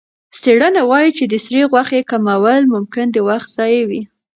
څېړنه وايي چې د سرې غوښې کمول ممکن د وخت ضایع وي.